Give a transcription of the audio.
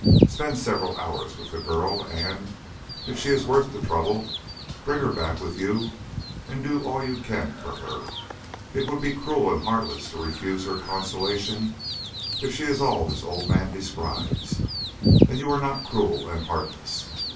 Spend several hours with the girl, and, if she is worth the trouble, bring her back with you and do all you can for her: it would be cruel and heartless to refuse her consolation if she is all this old man describes and you are not cruel and heartless.